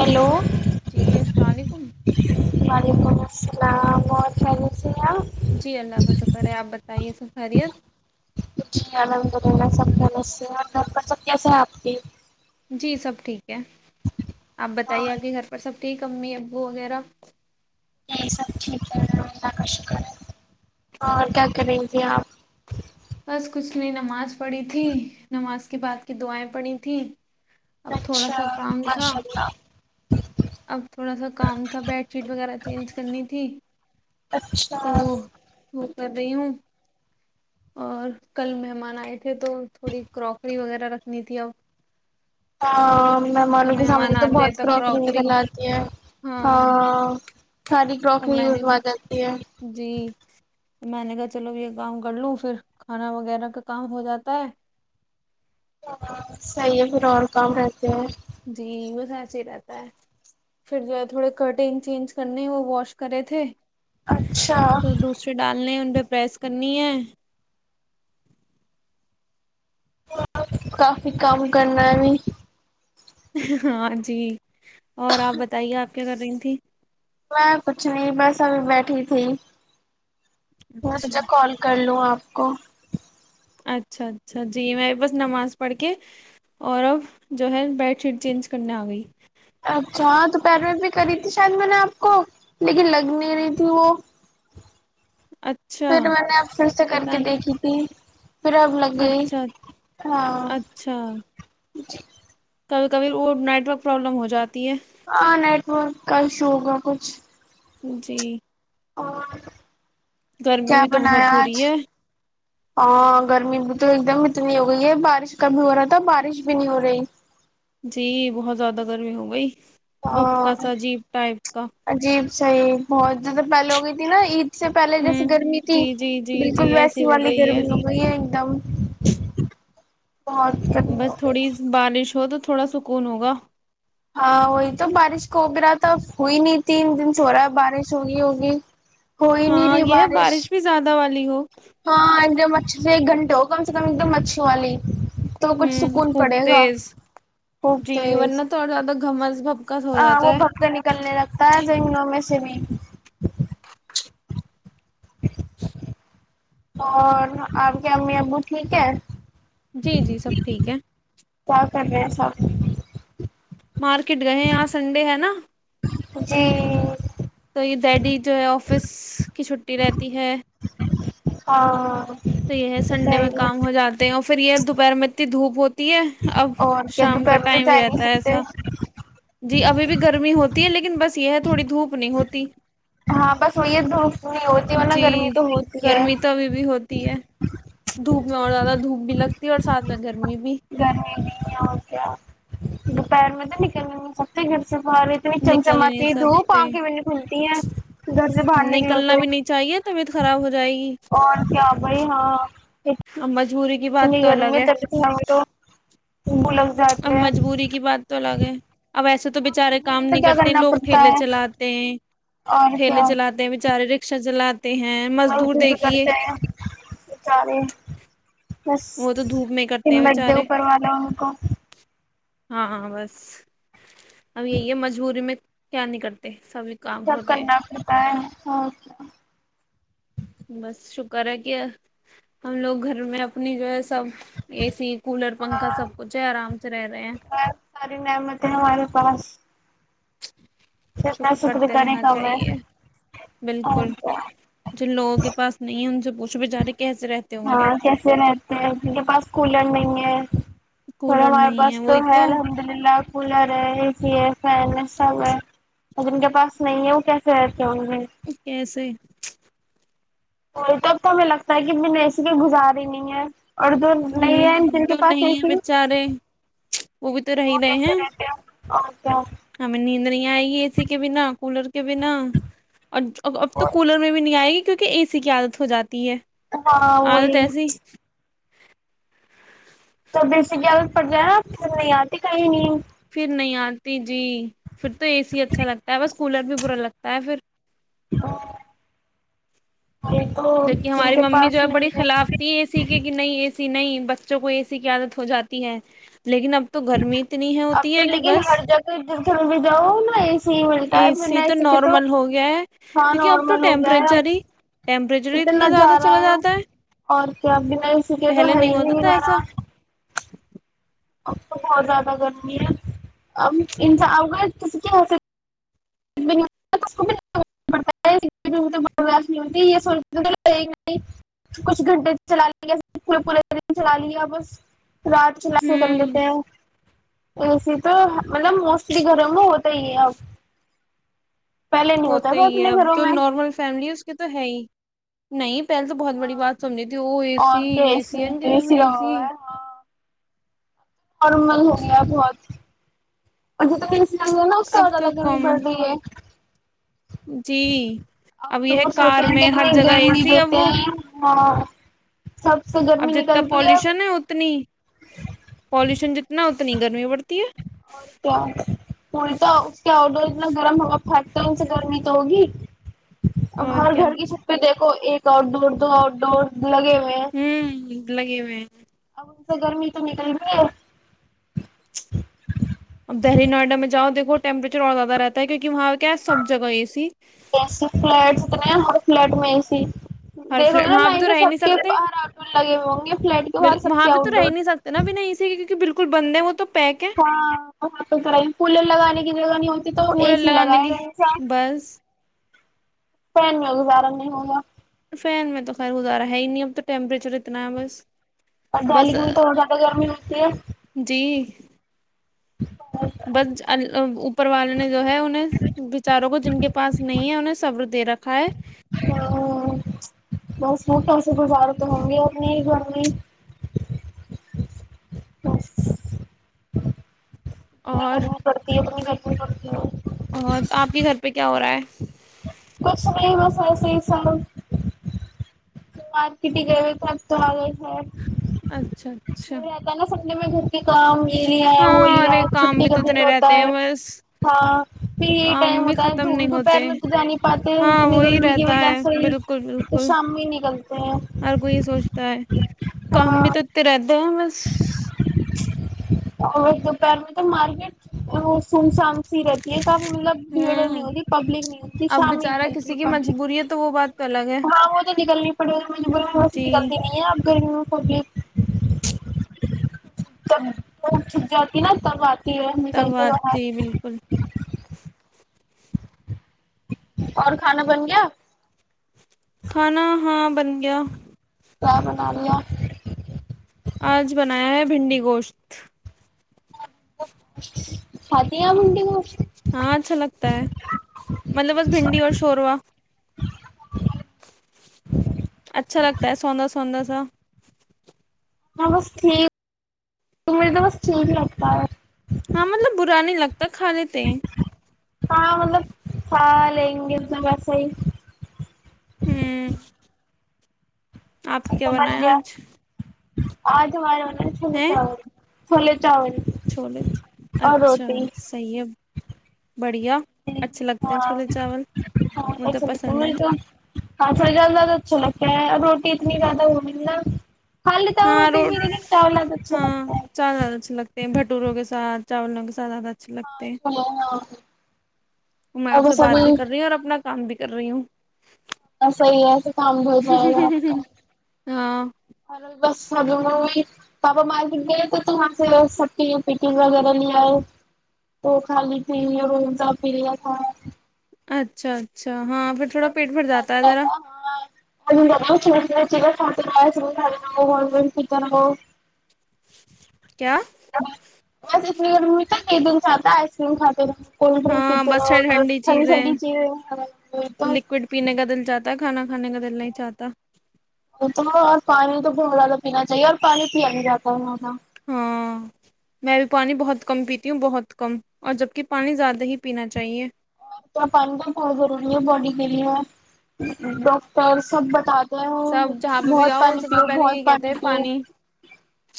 Hello جی السلام علیکم ویلکم اسلام جی اللہ کا شکر ہے آپ بتائیے س خیریت نمس اور نمبر سب کیسے ہے آپ کی جی سب ٹھیک آپ اور بتائیے آگے گھر پر سب رٹ ک امی ابو وغیرہ یہی سب ٹھیک ہے اللہ کا شکر ہے اور کیا کریں گے آپ بس کچھ نہیں نماز پڑھی تھی نمس کی بات کی دعائیں پڑی تھیں اب تھوڑا اچھا سا کام تھا ماشاء اللہ اب تھوڑا سا کام تھا بیڈ شیٹ وغیرہ چینج کرنی تھی اچھا تو وہ کر رہی ہوں اور کل مہمان آئے تھے تو تھوڑی کروکری وغیرہ رکھنی تھی اب ہ جب مہمانوں کے سامنے مہمان تو آتے بہت ہیں کرواکری کراکری نکل آاتی ہے ہاں ساری تو کرواکری میں نے یوز ہو جاتی ہے تو میں نے کہا چلو یہ کااؤم کر لوں پھر کھانا وغیرہ کا کام ہو جاتا ہے صحیح ہے پھر اور کام رہتے ہیں جی وہ سچ ہی رہتا ہے پھر جو ہے تھوڑے کٹنگ چینج کرنے وہ واش کرے تھے اچھا تو دوسرے ڈالنے ان پہ پریس کرنی ہے [inaudible] کافی کام کرنا ہے بھی ہاں جی اور آپ بتائیے آپ کیا کر رہی تھی میں کچھ نہیں بس ہم بیٹھ ٹھ تھی میں تجھا اچھا کال کر لوں آپ کو [unintelligible] اچھا اچھا جی میںی بس نماز پڑھ کے اور اب جو ہے بیڈ شیٹ چینج کرنے آ گئی اچھا ہاں دوپہر میں بھی کری تھی شاید میں نے آپ کو لیکن لگ نہیں رہی تھی وہ اچھا پھر میں نے اب پھر سے کر کے پتہ نہیں دیکھی تھی پھر اب لگے اچھا ہاں اچھا جی کبھی کبھی وہ نیٹ ورک پرابلم ہو جاتا ہاں نائٹ م ک ک ش ہوگا کچھ جی اور [unintelligible] گرمی کیا بھی تو بنایا بہت ہو رہی آج ہے ہاں گرمی بھی تو ایک دم اتنی ہو گئی ہے بارش کا بھی ہو رہا تھا بارش بھی نہیں ہو رہی جی بہت زیادہ گرمی ہو گئی وپ ہاں کا سا اجیب ٹائپ کا سے بہت جیسے پہلے ہو گئی تھی نا عید اسے پہلے جیسے ہوں گرمی تھی جی جی جی جی بالکل ویسی ایسی ہو والی گئی ہے گرمی ہو گئی ہے [unintelligible] گرمی بس ہو گئی تھوڑی سی بارش ہو تو تھوڑا سکون ہوگا ہاں وہی تو بارش ہو بھی رہا تھا ہوئی نہیں تین دن سے ہو رہا ہے بارش ہوگی ہوگی ہو ہی نہیں ہاں رہی یہ ہے، بارش بھی [unintelligible] ہاں ایک دم اچھے سے ایک گھنٹے ہو کم سے کم ایک دم اچھی والی تو کچھ ہوں سکون خوب پڑے گا تیز خوب جی تیز ورنہ تو اور زیادہ گھمس بھپکس ہو ہاں جاتا وہ ہے پھگتے نکلنے لگتا ہے جگنوں میں سے [unintelligible] [inaudible] اور آپ کے امی ابو ٹھیک ہے جی جی سب ٹھیک ہے کیا کر ہیں سب مارکیٹ گئے یہاں سنڈے ہے نا جی جی ڈیڈی جو ہے آفس کی چھٹی رہتی ہے ہاں تو یہ ہے سنڈے میں کام صحیح۔ ہو جاتے ہیں اور پھر یہ دوپہر میں اتنی دھوپ ہوتی ہے اب اور کیا شام کا دوپہر میں تو ٹائم ہی جا نہیں رہتا ہے سکتے ایسا جی ابھی بھی گرمی ہوتی ہے لیکن بس یہ تو تھوڑی دھوپ نہیں ہوتی ہاں بس وہی دھوپ نہیں ہوتی ورنہ جی گرمی تو ہوتی ہے گرمی تو ابھی بھی ہوتی دھوپ میں اور زیادہ دھوپ بھی لگتی ہے اور ساتھ میں گرمی بھی [unintelligible] دوپہر میں تو نکلنے مے زیادہ دککت ہوتی ہے باہر اتنی نکل ہی نہیں چمچماتی دھوپ سکتے آنکھیں بھی نہیں کھلتی ہے گھر سے باہر نکلو نکلنا تو بھی نہیں چاہیے طبیعت خراب ہو جائے گی اور کیا بھائی ہاں [unintelligible] مجبوری کی بات تو الگ ہے [unintelligible] اب ہاں مجبوری کی بات تو الگ ہے اب ایسے تو بچارے مجبوری کام میں نہیں کیا کرتے کرنا لوگ پڑتا ٹھیلے ہے چلاتے ہیں ٹھیلے چلاتے ہیں بچارے رکشا چلاتے ہیں مزدور ب سے دیکھیے کرتے ہیں سارے بس وہ تو دھوپ میں کرتے تن ہیں بچ دے بےچارے اوپروانا ان کو ہاں ہ بس اب یہی ہے مجبوری میں کیا نہیں کرتے سبھی کام سب ہوتے کرنا پڑتا ہے اوکے بس شکر ہے کہ ہم لوگ گھر میں اپنی جو ہے سب اے سی کولر پنکھا ہاں سب کچھ ہے آرام سے رہ رہے ہیں بہت ساری نعمتیں ہمارے پاس جتنا شکر کرتے کریں رہنا کم ہے چاہیے اور بالکل کیا جن لوگوں کے پاس نہیں ہے ان سے پوچھ شب جاری کے ہاں کیسے رہتے ہیں ان کے پاس کولر نہیں ہے ایک تھوڑا کولر ہمارے نہیں پاس تو وہی ہے الحمد للہ کولر ہے اے سی ہے فین ہے سب ہے مطب ان کے پاس نہیں ہے وہ کیسے رہتے ہوں گے کیسے وہی تو اب تو ہمیں لگتا ہے کہ میں نے ایسیے کو گزار ہی نہیں ہے اور جو نہیں ہے ہوں جن کے تو پاس اے نہیں ہے سی بیچارے وہ بھی تو رہ رہے کیسے ہیں رہتے ہیں اور کیا ہمیں نیند نہیں آئے گی اے سی کے بنا کولر کے بنا اور اب تو کولر میں بھی نہیں آئے گی کیونک اےی کی عادت ہو جاتی ہے ہاں عادت وہی ایسی تو ب سےت پڑ گیا نا پھر نہیں آتی کہیں نہیں پھر نہیں آتی جی پھر تو اے سی اچھا لگتا ہے بس کولر بھی برا لگتا ہے پھر یہ تو جبک کہ جن ہماری کے ممی جو پاس ہے نہیں بڑی خلافتی اے سی کی کہ نہیں اسی نہیں بچوں کو ایسی کی عادت ہو جاتی ہے لیکن اب تو گرمی اتنی ہے اب ہوتی تو ہے کہ لیکن بس ہر جگہ جس گھر بھی جاؤ نا ایسے ہی ملتا ہے اے پھر نہ ای سی کہ تو نارمل ہو گیا ہے ہاں کیونکہ اب تو نارمل ہو گیا ہے ٹیمپریچر ہی ٹیمپریچر ہی اتنانا اتنا زیادہ ج رہا چلا ہے جاتا اور کیا بھینا س کیا کہ پہلے نہیں ہری ہوتا تھا وغیرہ ایسا اب تو بہت زیادہ گرمی ہے اب ان اؤ گئے ک کیا ح ش نہیں ہو یہ س کچھ گھنٹے چلا لیں گے پورے دن چلا لیا بس رات کلاسے کر لیتے ہوں ہیں ا سی تو مطلب م اس بھی گرم ہوت یہ آ ہوتا تھا ہی ہے اپنے اب گھروں جو میں نارمل فیملی ہے اس کے تو ہے ہی نہیں پہلے تو بہت بڑی بات سمج تھی وہ اے س اور کیا اے س سی ہے ن کہ سر سی میں اے لگا س ہوا ہے ہاں نارمل ہو گیا بہت اور جتسام نا اس سے اب اور تو زیادہ دوری کامن پڑ رہی ہے جی آؤٹ اب یہ ہے ڈورس ہوتے کار ہیں میں کتنے ہر جگہ گیم اے ہی سی اب دیتے وہ ہیں ہاں سب سے اب گرمی جتنا نکلتی پالوشن ہے اتنی پالوشن جتنا کتنی گرمی پڑتی ہے اور کیا پ تو اس کے آڈ اتنا گرم ہوا پھاکتے ان سے گرمی تو ہوگی ہے اب اور ہر کیا گھر کی چھت پہ دیکھو ایک تو دور تو ہوں لگے میں اب گرمی تو نکلتی ہے اب دہلی نوئیڈا میں جؤ دیکو ٹمپریچر اور زیادہ رہتا ہے کیونکہ وہاں کیا ہے سب جگہ اے سی ایسے فلیٹ اتنے ہیں ہر فلیٹ میں تھ ہر فل دیکھو گے نا وہاں پہ لائن تو رہ ہی نہیں سب کے سکتے باہر آؤٹ ڈور لگے ہوئے ہوں گے فلٹ کے باہر سب کے آؤٹ ڈور ک بندے وہ تو پیک ہے ہاں وہ تو کرائی پل لگانے کی جگہ نہیں ہوتی تو کولر ایک ہی لگانے لگایا کی گیا ایسا بس پن میں گزارا نہیں ہوگا فین میں تو خیر گزارا ہے ہی نہیں اب تو ٹیمپریچر اتنا ہے بس اور بس دہلی میں تھوڑی زیادہ گرمی ہوتی ہے جی بس پروال نے جو ہے انہیں بچاروں کو جن کے پاس نہیں ہے انہیں سبر دے رکھا ہے ہ بہتٹ گزارت تو ممی اور اپنی کوئی اور کرتی ہے اپ م کرتی ہے آ کے گھر پہ کیا ہو رہا ہے کچھ نہیں بس سی سب مارکیٹی ہی گئے ہو تھ تو آ گئے تھ اچھا اچھا تو ن نہ س م میں گ کام میری آئے ہولی ہاں ارے آئے کام چھٹی بھی کا تو دن اتنے ہوتا رہتے ہے ہیں بس ہاں پھر یہ کام ٹائم بھی ہوتا ہے ختم نہیں دوپہر ہوتے میں تو جا نہیں پاتے ہیں ہاں اتنی وہی گرمی کی رہتا وجہ ہے سے ہی بالکل تو بالکل شام میں نکلتے ہیں ہر کوئی یہ سوچتا ہے کام بھی ہاں تو اتنے رہتے ہیں [inaudible] بس اور دوپہر میں تو مارکیٹ سمسان سی رہتی ہے ب مطلب بھیڑ نہیں ہوں ہوتی پبلک نہیں ہوتی اب بیچارہ شاملتی کسی کی مجبوری ہے تو وہ بات تو الگ ہے ہاں وہ تو نکلنی پڑی ہو ب وی جی نکلتی نہیں ہے اب کررمیوں پبلک جب وہ چھٹ جاتی نا تب آتی تب نکلتے بات باہر تھی بالکل اور کھانا بن گیا کھانا ہاں بن گیا کیا بنانییا آج بنایا ہے بھنڈی گوشت خاتیا منتی وہ ہاں اچھا لگتا ہے مطلب بس بھنڈی اور شوروا [inaudible] اچھا لگتا ہے سوندا سوندا سا ہاں بس ٹھیک مجھے تو بس ٹھیک لگتا ہے ہاں مطلب برا نہیں لگتا کھا لیتے اننگل جگ سےائی ہوں آپ کی کیا بن بنایا گیا آج آ تو ہمارے چل چ فول چولو اچھا روٹی سیب ہاں ہاںا مجھے تو پسند ہے ہاں ف جال زیادہ اچھا لگتا ہے اتنی زیادہ ہو ملا ہاں روڈ ہاں لگتا ہے سار اچھے لگتے ہیں بھٹوروں کے ساتھ چاولناک ساد اچھ ہاں لگتے ہیں چھولے ہاں میں اور آپ سے بس بات بھی کر رہی ہوں اور اپنا کام بھی کر رہی ہوں صحی ایس کام ہو جائے گا آپ کا ہاں بس ہمب م بھی پاپا مارکیٹ گئے تھے تو وہاں سے سب کی پکن وغیرہ لے آئے وہ خالی تھی را پ لیا تھا اچھا اچھا ہاں پ تھوڑا پیٹ بھر جاتا ہے ذرا چھو چ س ب سر نگ کھا نگو کیا بس اتنی گ م کیا کہ دن چاتا آئسکیم کاتی تھ کولڈ ڈرنک کی ہاں طر بس ٹھنڈی ٹھنڈی چیزیں ٹھنڈی چی تو لکوڈ پینے کا دل چاہتا کھانا کھانے کا دل نہیں چاہتا تو اور پانی تو بہ زیادہ پینا چاہیے اور پانی پیا نہیں جاتا ہے زدہ ہاں میں بھی پانی بہت کم پیتی ہوں بہت کم اور جبکہ پانی زیادہ ہی پینا چاہیے پالنا بہت ضروری ہے باڈی کے لیے ڈاکٹر سب بتات ہ سب جہاں پہ بھی بہت جاؤ وہ پانی سب سے پیؤ پہلے بہت یہ کہتے پانی ہیں پیؤ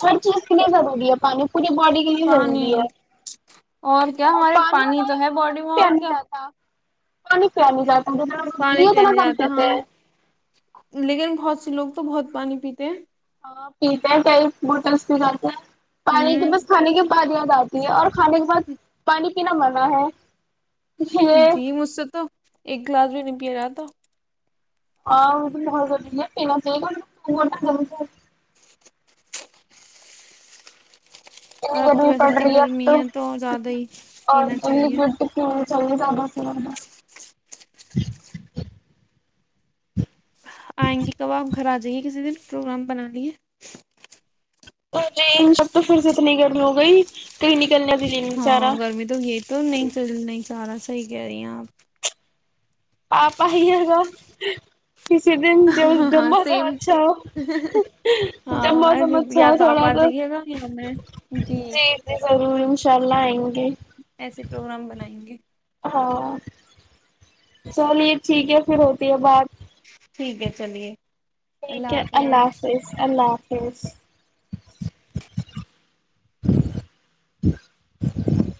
ہر چیز کے لیے ضرور پیا پانی پوری باڈی کے لیے پانی ضروری ہے کیا اور ہمارے پانی بتائے تو ہے گا باڈی پانی میں اور پنے کیا ج پانی پیا نہیں جاتا ضروری پانی ہے پیا اتنا نہیں کم جاتا ہاں پیتے ہیں لیکن بہت لوگ تو بہت پانی پیتے ہیں پیتا ائ موٹرس بھی جاتتا ہے پانی تو ہ بس کھانے کے پادیاں ج آتی ہے اور کھانے کے بعد پانی پینا منانا ہے یہ جی مجھ سے تو ایک گلاس بھی نہیں پی رہا تھا آ ب کرے پ گ ان اور اب تو ادمی ویسے پڑ اتنی رہ ات گرمی ہے تو زیادہ ہی اور پینا دڈ چاہیے ت ج جا س لا آئیں گی کبابپ گھر آ جی کسی دن پروگرام بناانی ہے تو جی ان سب تو پھر سے اتنی گرمی ہو گئی کہیں ن ہاں گرمی تو گ تو نہیں چ نہیں سارا صحیح کہہ رہی ہیں آپ پپا ہی ہے گا اسی دن ہاں ہاں موسم سیم اچھا ہو گ ہاں موسم اچھا یا ہو آپ تھوڑا آ تو جائیے گا یا میں جی جی ض ان شاء اللہئ ایسے پروگرام بنائیں گے ہاں چلیے ٹھیک ہے پھر ہوتی ہے بات ٹھیک ہے چلیے ٹھیک ہے اللہ حافظ اللہ حافظ ا